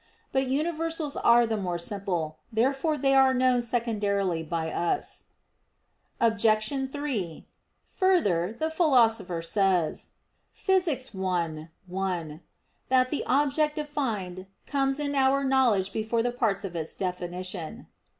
But universals are the more simple. Therefore they are known secondarily by us. Obj. 3: Further, the Philosopher says (Phys. i, 1), that the object defined comes in our knowledge before the parts of its definition.